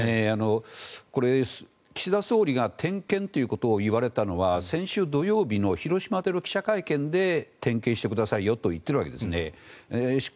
これ、岸田総理が点検ということを言われたのは先週土曜日の広島での記者会見で点検してくださいよと言っているわけですね。